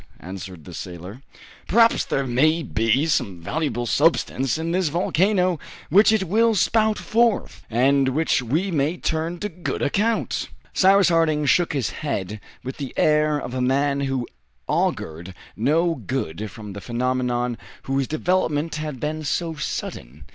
answered the sailor. "Perhaps there may be some valuable substance in this volcano, which it will spout forth, and which we may turn to good account!" Cyrus Harding shook his head with the air of a man who augured no good from the phenomenon whose development had been so sudden.